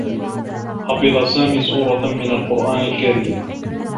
حفظ سامي سورة من القرآن الكريم.